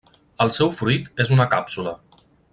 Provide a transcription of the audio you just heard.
El seu fruit és una càpsula.